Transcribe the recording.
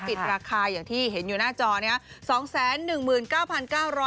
ปิดราคาอย่างที่เห็นอยู่หน้าจอนิคะ